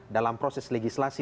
dalam proses legislasi